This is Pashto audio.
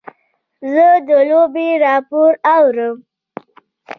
زه د لوبې راپور اورم.